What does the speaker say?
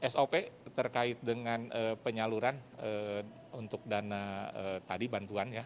sop terkait dengan penyaluran untuk dana tadi bantuan ya